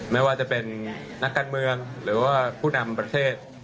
ไม่ว่าจะเป็นนักการเมืองหรือว่าผู้นำประเทศ